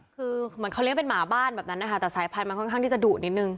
คือเขาเรียกเป็นหมาบ้านแบบนั้นแต่สายพันธุ์มันค่อนข้างที่จะดุนิดนึง